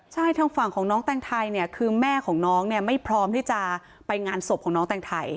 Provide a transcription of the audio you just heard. ใช่ทางฝั่งของน้องแตงไทยเนี่ยคือแม่ของน้องเนี่ยไม่พร้อมที่จะไปงานศพของน้องแตงไทย